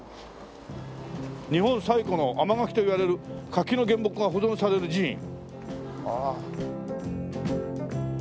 「日本最古の甘柿と言われる柿の原木が保存される寺院」